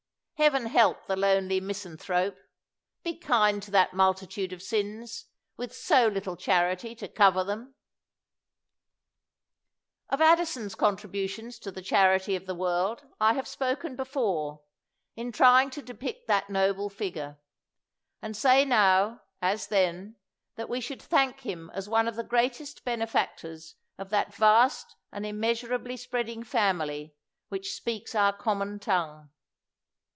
Heaven help the lonely misan thrope! be kind to that multitude of sins, with so little charity to cover them ! Of Addison's contributions to the charity of the world I have spoken before, in trying to depict that noble figure; and say now, as then, that we should thank him as one of the greatest benefactors of that vast and immeasurably spreading family which speaks our common tongue.